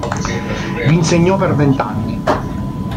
Vi insegnò per venti anni.